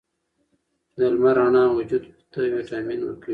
د لمر رڼا وجود ته ویټامین ورکوي.